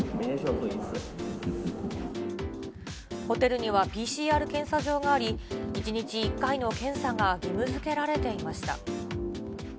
ホテルにはＰＣＲ検査場があり、１日１回の検査が義務づけられていました。